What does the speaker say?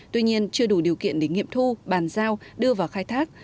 tuy nhiên chưa đủ điều kiện để nghiệm thu bàn giao đưa vào khai thác